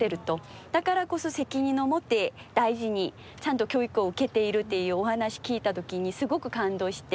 だからこそ責任を持って大事にちゃんと教育を受けているっていうお話聞いた時にすごく感動して。